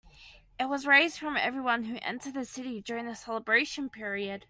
It was raised from everyone who entered the city during the celebration period.